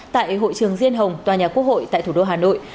tại hội trường diên hồng tòa nhà quốc hội tại thủ đô hà nội